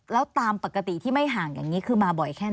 แล้วตามปกติที่ไม่ห่างอย่างนี้คือมาบ่อยแค่ไหน